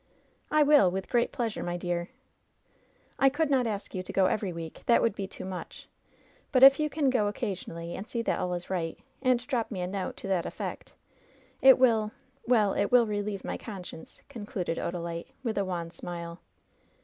'' "I will, with great pleasure, my dear.'' "I could not ask you to go every week, that would be too much ; but if you can go occasionally and see that all is right, and drop me a note to that effect, it will — well, it will relieve my conscience," concluded Odalite, with a wan smile.